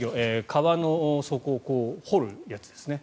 川の底を掘るやつですね。